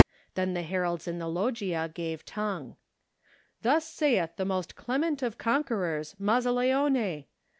Then the heralds in the loggia gave tongue: "Thus saith the most clement of con querors, Mazzaleone!